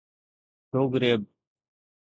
ڊوگريب